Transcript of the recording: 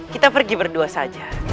kita pergi berdua saja